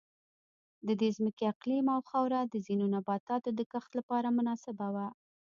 د دې ځمکې اقلیم او خاوره د ځینو نباتاتو د کښت لپاره مناسبه وه.